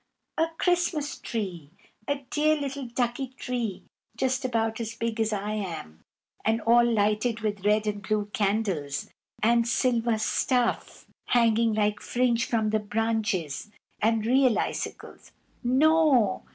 A Christmas tree! A dear little ducky tree, just about as big as I am, and all lighted with red and blue candles, and silver stuff hanging like fringe from the branches, and real icicles. (No!